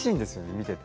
見てて。